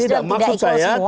tidak maksud saya